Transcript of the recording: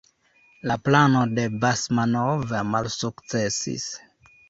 La plano de Basmanov malsukcesis.